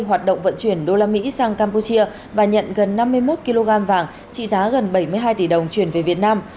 hoạt động vận chuyển đô la mỹ sang campuchia và nhận gần năm mươi một kg vàng trị giá gần bảy mươi hai tỷ đồng chuyển về việt nam